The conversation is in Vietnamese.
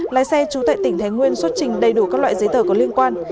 lái xe trú tại tỉnh thái nguyên xuất trình đầy đủ các loại giấy tờ có liên quan